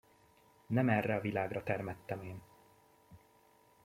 Nem erre a világra termettem én!